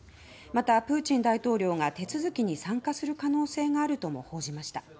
また、プーチン大統領が手続きに参加する可能性があるとも報じました。